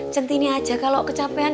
centini aja kalau kecapean